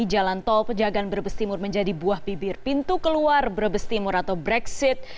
jalan tol pejagaan berbestimur menjadi buah bibir pintu keluar berbestimur atau brexit